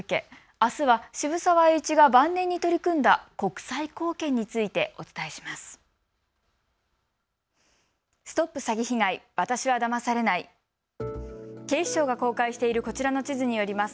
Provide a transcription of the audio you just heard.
あすは渋沢栄一が晩年に取り組んだ国際貢献についてお伝えします。